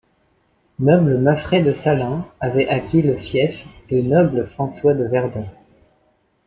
Noble Maffrey de Salins avait acquis le fief de Noble François de Verdon.